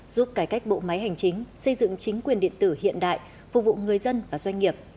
giúp cải cách bộ máy hành chính xây dựng chính quyền điện tử hiện đại phục vụ người dân và doanh nghiệp